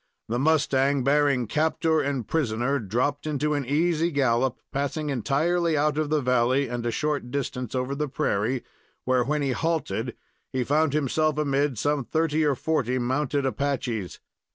The mustang bearing captor and prisoner dropped into an easy gallop, passing entirely out of the valley and a short distance over the prairie, where, when he halted, he found himself amid some thirty or forty mounted Apaches.